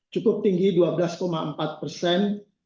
cukup tinggi dua belas empat persen